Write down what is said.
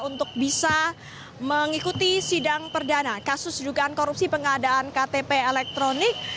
untuk bisa mengikuti sidang perdana kasus dugaan korupsi pengadaan ktp elektronik